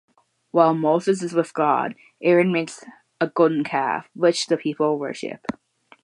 While Moses is with God, Aaron makes a golden calf, which the people worship.